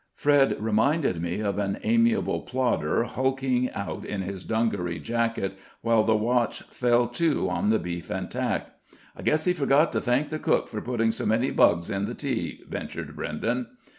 Fred reminded me of an amiable plodder hulking out in his dungaree jacket, while the watch fell to on the beef and tack. "I guess he forgot to thank the cook for putting so many bugs in the tea," ventured Brenden.